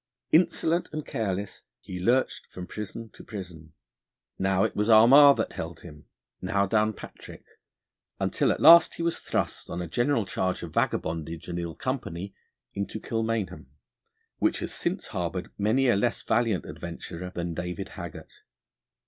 Insolent and careless, he lurched from prison to prison; now it was Armagh that held him, now Downpatrick, until at last he was thrust on a general charge of vagabondage and ill company into Kilmainham, which has since harboured many a less valiant adventurer than David Haggart.